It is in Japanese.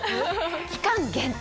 期間限定